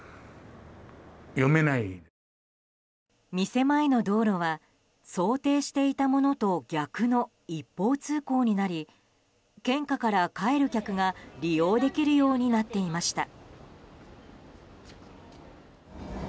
店前の道路は想定していたものと逆の一方通行になり献花から帰る客が利用できるようになっていました。